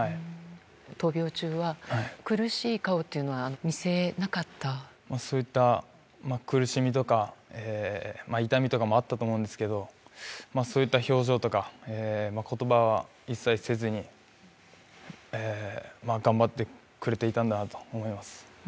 闘病中は、苦しい顔っていうそういった苦しみとか、痛みとかもあったと思うんですけど、そういった表情とか、ことばは一切せずに、頑張ってくれていたんだなと思います。